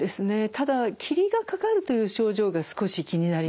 ただ霧がかかるという症状が少し気になります。